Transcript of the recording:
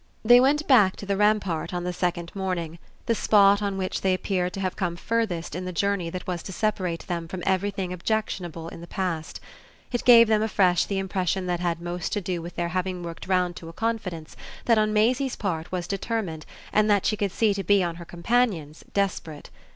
They went back to the rampart on the second morning the spot on which they appeared to have come furthest in the journey that was to separate them from everything objectionable in the past: it gave them afresh the impression that had most to do with their having worked round to a confidence that on Maisie's part was determined and that she could see to be on her companion's desperate.